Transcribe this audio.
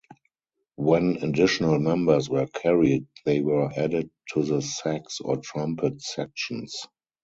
When additional members were carried, they were added to the sax or trumpet sections.